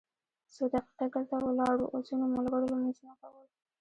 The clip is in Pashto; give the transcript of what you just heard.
څو دقیقې دلته ولاړ وو او ځینو ملګرو لمونځونه کول.